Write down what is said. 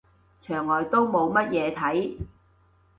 牆外都冇乜嘢睇